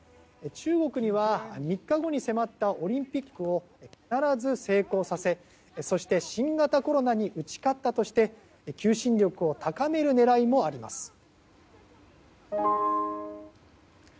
中国には３日後に迫ったオリンピックを必ず成功させ、そして新型コロナに打ち勝ったとして求心力を高める狙いもあります。